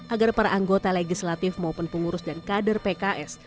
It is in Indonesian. agar para anggota legislatif maupun pengurus dan kader pks